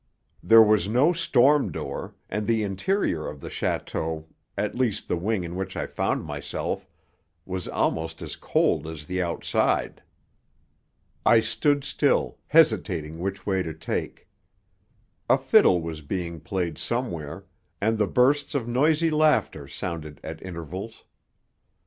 There was no storm door, and the interior of the château at least, the wing in which I found myself was almost as cold as the outside. I stood still, hesitating which way to take. A fiddle was being played somewhere, and the bursts of noisy laughter sounded at intervals.